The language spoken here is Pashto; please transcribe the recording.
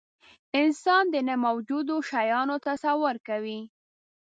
انسان د نه موجودو شیانو تصور کوي.